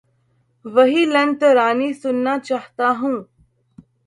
وہی لن ترانی سنا چاہتا ہوں